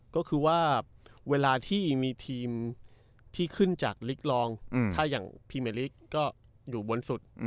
ก็คือว่าเวลาที่มีทีมที่ขึ้นจากลิกรองถ้าอย่างพรีเมริกก็อยู่บนสุด